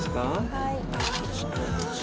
はい。